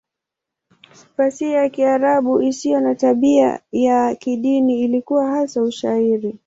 Fasihi ya Kiarabu isiyo na tabia ya kidini ilikuwa hasa Ushairi.